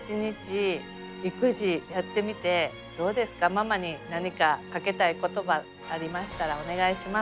ママに何かかけたい言葉ありましたらお願いします。